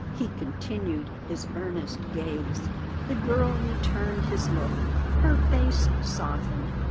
He continued his earnest gaze. The girl returned his look; her face softened.